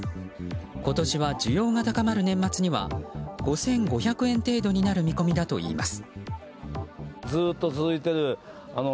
今年は需要が高まる年末には５５００円程度になる見込みだといいます。